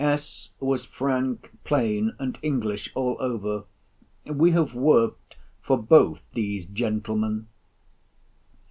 S. was frank, plain, and English all over. We have worked for both these gentlemen.